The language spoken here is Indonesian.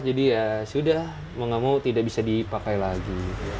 jadi ya sudah mau gak mau tidak bisa dipakai lagi